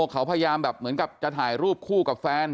เขาพยายามแบบเหมือนกับจะถ่ายรูปคู่กับแฟน